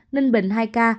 ninh bình hai ca